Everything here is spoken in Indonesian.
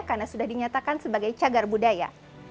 karena sudah dinyatakan sebagai cagar budaya